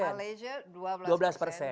malaysia dua belas persen